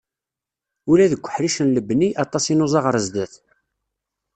Ula deg uḥric n lebni, aṭas i nuẓa ɣar sdat.